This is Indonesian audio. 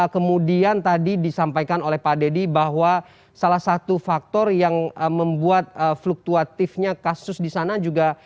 kemudian tadi disampaikan oleh pak deddy bahwa salah satu faktor yang membuat fluktuatifnya kasus di sana juga